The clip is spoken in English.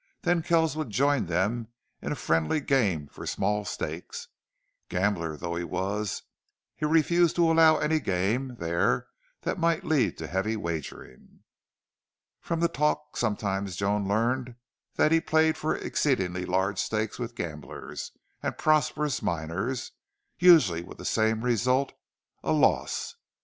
Then Kells would join them in a friendly game for small stakes. Gambler though he was, he refused to allow any game there that might lead to heavy wagering. From the talk sometimes Joan learned that he played for exceedingly large stakes with gamblers and prosperous miners, usually with the same result a loss.